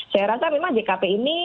saya rasa memang jkp ini